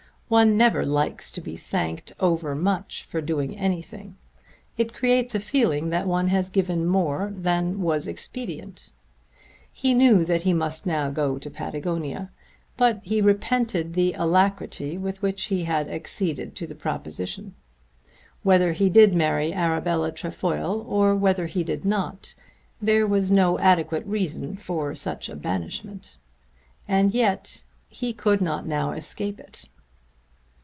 One never likes to be thanked over much for doing anything. It creates a feeling that one has given more than was expedient. He knew that he must now go to Patagonia, but he repented the alacrity with which he had acceded to the proposition. Whether he did marry Arabella Trefoil or whether he did not, there was no adequate reason for such a banishment. And yet he could not now escape it!